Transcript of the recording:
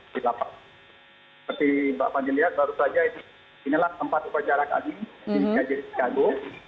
seperti mbak fadil lihat baru saja inilah tempat upacara kali ini di kjri chicago